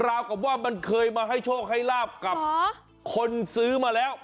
ราวกับว่ามันเคยมาให้โชคให้ลาบกับคนซื้อมาแล้ว